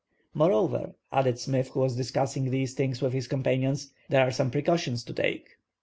"Moreover," added Smith, who was discussing these things with his companions, "there are some precautions to take."